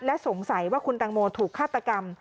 และสงสัยว่าคุณตังโมถูกฆาตกรรม